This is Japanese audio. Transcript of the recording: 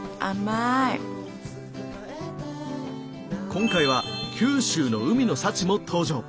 今回は九州の海の幸も登場。